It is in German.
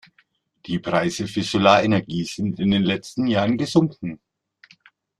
Die Preise für Solarenergie sind in den letzten Jahren gesunken.